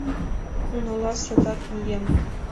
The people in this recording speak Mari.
Унала садак мием».